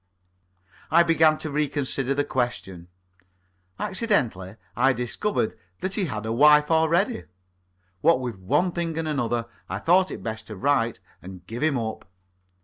I began to re consider the question. Accidentally, I discovered that he had a wife already. What with one thing and another, I thought it best to write and give him up.